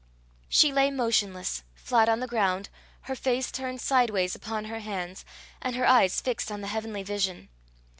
She lay motionless, flat on the ground, her face turned sideways upon her hands, and her eyes fixed on the heavenly vision.